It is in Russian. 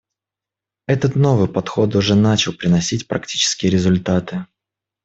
Этот новый подход уже начал приносить практические результаты.